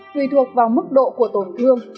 tùy thuộc vào mức độ của tổn thương